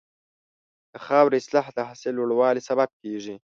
د خاورې اصلاح د حاصل لوړوالي سبب کېږي.